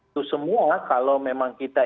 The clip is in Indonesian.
itu semua kalau memang kita